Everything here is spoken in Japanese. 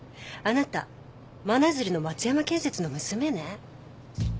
あなた真鶴の松山建設の娘ね？